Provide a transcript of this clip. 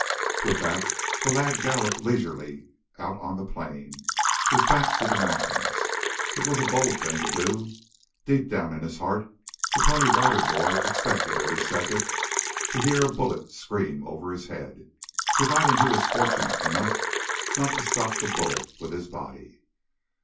With that the lad galloped leisurely out on the plain, his back to the mountains. It was a bold thing to do. Deep down in his heart the Pony Rider Boy expected every second to hear a bullet scream over his head, providing he was fortunate enough not to stop the bullet with his body.